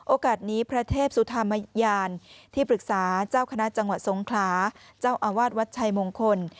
โอกาสนี้พระเทพสุธรรมยานที่ปรึกษาเจ้าคณะจังหวัดสงขลาเจ้าอาวาสวัดชัยมงคล